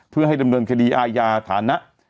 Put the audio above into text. เพื่อให้ดำเนินคดีอาญาฐานะ